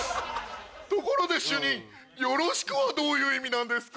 ところで主任「夜露死苦」はどういう意味なんですか？